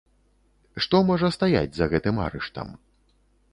Што можа стаяць за гэтым арыштам?